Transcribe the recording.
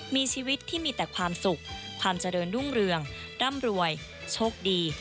มีชีวิตที่มีแต่ความสุขความเจริญรุ่งเรืองร่ำรวยโชคดี